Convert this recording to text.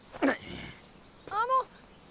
あの。